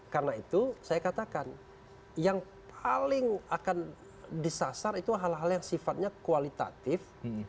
karena itu saya katakan yang paling akan disasar itu hal hal yang sifatnya kualitatif